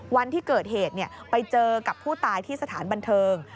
วันที่เกิดเหตุไปเจอกับผู้ตายที่สถานบันเทิง